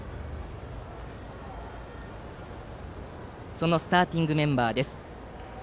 そのスターティングメンバーです。